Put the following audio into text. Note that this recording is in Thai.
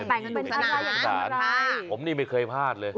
อยากแต่งเป็นสนานอย่างนี้แหละผมนี่ไม่เคยพลาดเลย